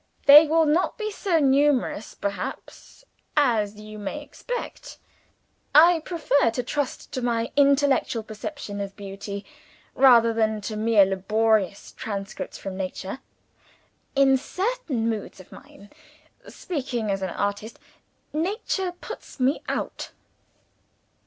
They will not be so numerous, perhaps, as you may expect. I prefer to trust to my intellectual perception of beauty, rather than to mere laborious transcripts from Nature. In certain moods of mine (speaking as an artist) Nature puts me out.'"